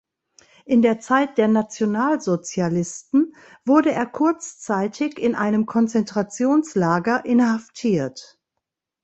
In der Zeit der Nationalsozialisten wurde er kurzzeitig in einem Konzentrationslager inhaftiert.